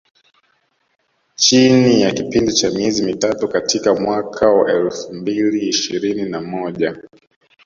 Chini ya kipindi cha miezi mitatu katika mwaka wa elfu mbili ishirini na moja